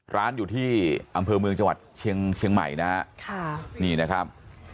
ร้านอยู่ที่อำเภอเมืองจังหวัดเชียงใหม่นะฮะค่ะนี่นะครับ